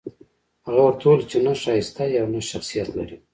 هغه ورته وويل چې نه ښايسته يې او نه شخصيت لرې.